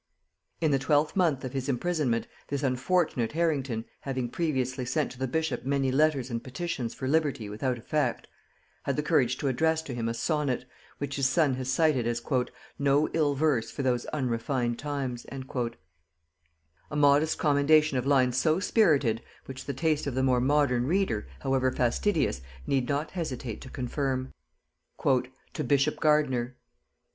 In the twelfth month of his imprisonment, this unfortunate Harrington, having previously sent to the bishop many letters and petitions for liberty without effect, had the courage to address to him a "Sonnet," which his son has cited as "no ill verse for those unrefined times;" a modest commendation of lines so spirited, which the taste of the more modern reader, however fastidious, need not hesitate to confirm. TO BISHOP GARDINER.